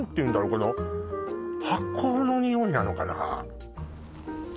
この発酵のにおいなのかな